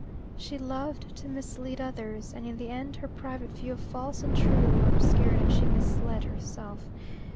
She loved to mislead others, and in the end her private view of false and true was obscured, and she misled herself.